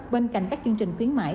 bên cạnh các chương trình tuyến mãi